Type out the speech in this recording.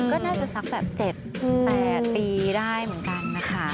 ก็น่าจะสักแบบ๗๘ปีได้เหมือนกันนะคะ